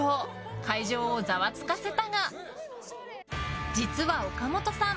会場をざわつかせたが実は、岡本さん